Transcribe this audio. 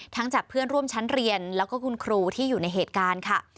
จากเพื่อนร่วมชั้นเรียนแล้วก็คุณครูที่อยู่ในเหตุการณ์ค่ะ